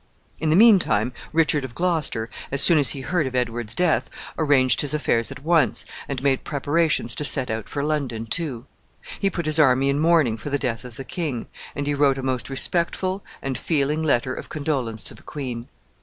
In the mean time, Richard of Gloucester, as soon as he heard of Edward's death, arranged his affairs at once, and made preparations to set out for London too. He put his army in mourning for the death of the king, and he wrote a most respectful and feeling letter of condolence to the queen.